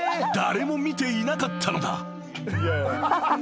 誰も見ていなかったのだ］